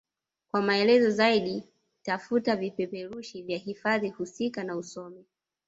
Kwa maelezo zaidi tafuta vipeperushi vya hifadhi husika na usome